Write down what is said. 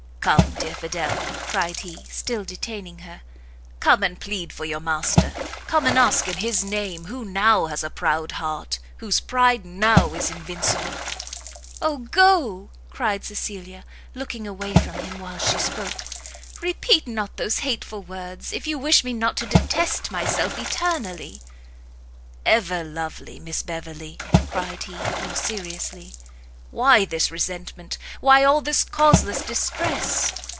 "Come, dear Fidel!" cried he, still detaining her, "come and plead for your master! come and ask in his name who now has a proud heart, whose pride now is invincible!" "Oh go!" cried Cecilia, looking away from him while she spoke, "repeat not those hateful words, if you wish me not to detest myself eternally!" "Ever lovely Miss Beverley," cried he, more seriously, "why this resentment? why all this causeless distress?